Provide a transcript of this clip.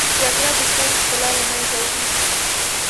جګړه د سولې ښکلا له منځه وړي